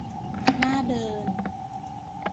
น่าเดิน